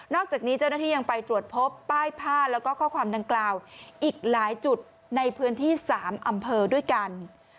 อกจากนี้เจ้าหน้าที่ยังไปตรวจพบป้ายผ้าแล้วก็ข้อความดังกล่าวอีกหลายจุดในพื้นที่๓อำเภอด้วยกัน